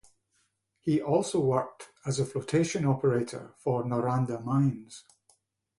He also worked as a flotation operator for Noranda Mines.